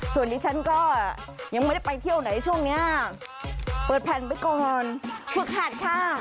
ส่วนดิฉันก็ยังไม่ได้ไปเที่ยวไหนช่วงนี้เปิดแผ่นไปก่อนฝึกหัดค่ะ